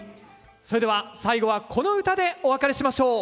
それでは最後はこの唄でお別れしましょう。